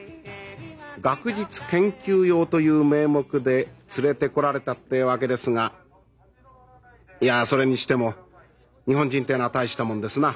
学術研究用という名目で連れてこられたってわけですがいやそれにしても日本人ってえのは大したもんですな。